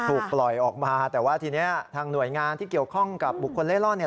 ถูกปล่อยออกมาแต่ว่าทีนี้ทางหน่วยงานที่เกี่ยวข้องกับบุคคลเล่ร่อนเนี่ย